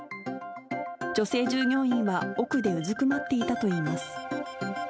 女性従業員は、奥でうずくまっていたといいます。